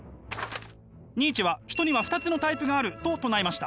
ニーチェは人には２つのタイプがあると唱えました。